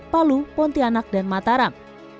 palu pontianak dan mataram